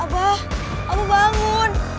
abah abu bangun